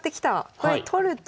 これ取ると？